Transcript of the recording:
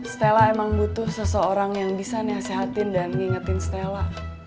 stella emang butuh seseorang yang bisa nasehatin dan ngingetin stella